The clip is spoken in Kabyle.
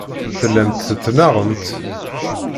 Tellamt tettnaɣemt.